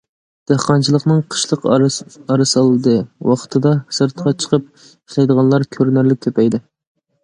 دېھقانچىلىقنىڭ قىشلىق ئارىسالدى ۋاقتىدا سىرتقا چىقىپ ئىشلەيدىغانلار كۆرۈنەرلىك كۆپەيدى.